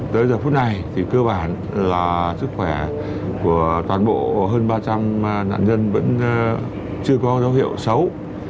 tới giờ phút này thì cơ bản là sức khỏe của toàn bộ hơn ba trăm linh nạn nhân vẫn chưa có dấu hiệu xấu